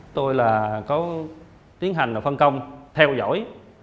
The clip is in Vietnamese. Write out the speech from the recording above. tôi là có tiến hành phân công theo dõi